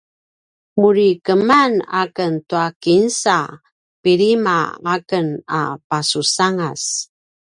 nuri keman aken tua kinsa pilima aken a pasusangas